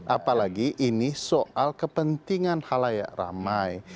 apalagi ini soal kepentingan halayak ramai